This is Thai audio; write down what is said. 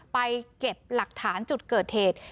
ไปเก็บหลักฐานจุดเกิดเหตุ